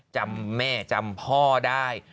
จำแม่จำพ่อได้